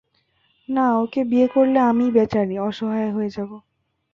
না, ওকে বিয়ে করলে আমিই বেচারি, অসহায় হয়ে যাবো।